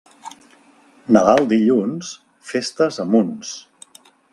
Nadal dilluns, festes a munts.